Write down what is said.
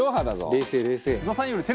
冷静冷静。